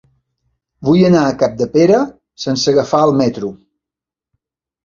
Vull anar a Capdepera sense agafar el metro.